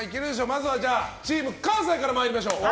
まずはチーム関西から参りましょう。